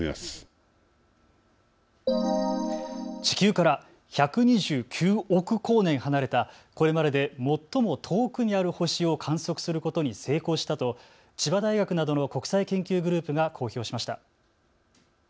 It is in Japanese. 地球から１２９億光年離れたこれまでで最も遠くにある星を観測することに成功したと千葉大学などの国際研究グループが公表しました。